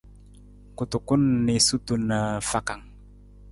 Kutukun niisutu na fakang.